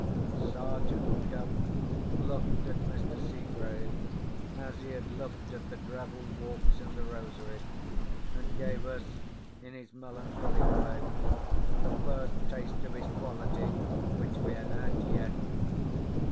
Sergeant Cuff looked at Mr. Seegrave, as he had looked at the gravel walks in the rosery, and gave us, in his melancholy way, the first taste of his quality which we had had yet.